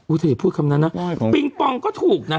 อย่าพูดคำนั้นนะปิงปองก็ถูกนะ